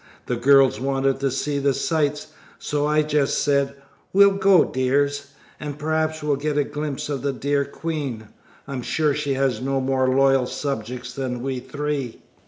"The girls wanted to see the sights, so I just said, 'we'll go, dears, and perhaps we'll get a glimpse of the dear Queen.' I'm sure she has no more loyal subjects than we three."